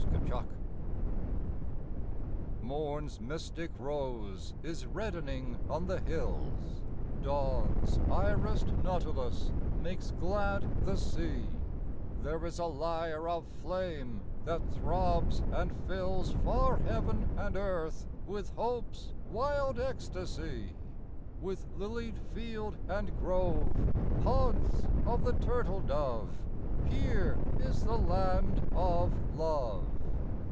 YOUTH I Morn's mystic rose is reddening on the hills; Dawn's irised nautilus makes glad the sea; There is a lyre of flame that throbs and fills Far heaven and earth with hope's wild ecstasy. With lilied field and grove, Haunts of the turtle dove, Here is the land of Love.